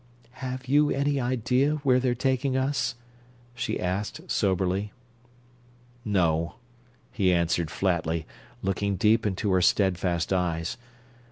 "Have you any idea where they're taking us?" she asked, soberly. "No," he answered flatly, looking deep into her steadfast eyes.